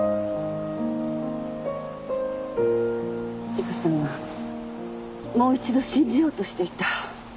里香さんはもう一度信じようとしていた。